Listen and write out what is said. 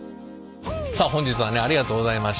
さあ本日はねありがとうございました。